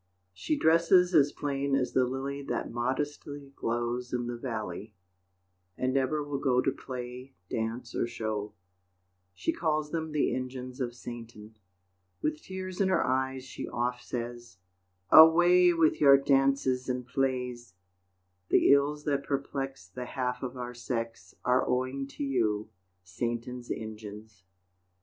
She dresses as plain as the lily That modestly glows in the valley, And never will go To play, dance or show She calls them the engines of Satan. With tears in her eyes she oft says, "Away with your dances and plays! The ills that perplex The half of our sex Are owing to you, Satan's engines."